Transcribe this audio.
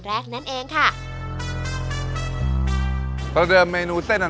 อย่างเช่นประเทศไทยที่ตั้งอยู่ในเขตร้อนและอบอุ่นเป็นส่วนใหญ่